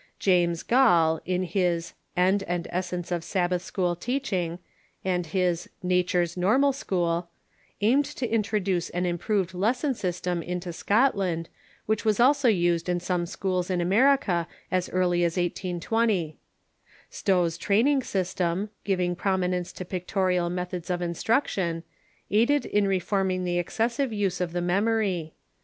" James Gall, in his ' End and Es sence of Sabbath school Teaching' and his 'Nature's Normal School,' aimed to introduce an improved lesson system into Scot 616 THE CHURCH in the united states land, which was also used in some schools in America as early as 1820. Stovve's training system, giving prominence to pictorial methods of instruction, aided in reforming the excessive use of the memory.